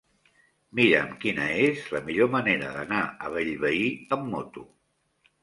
Mira'm quina és la millor manera d'anar a Bellvei amb moto.